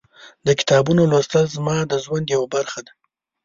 د کتابونو لوستل زما د ژوند یوه برخه ده.